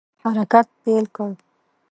حرکت پیل کړ.